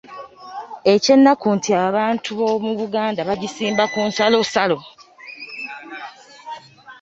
Ekyennaku nti abantu b’omu Buganda bagisimba ku lusalosalo.